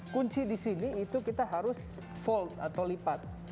kunci di sini itu kita harus volt atau lipat